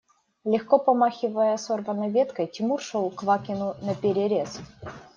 Легко помахивая сорванной веткой, Тимур шел Квакину наперерез.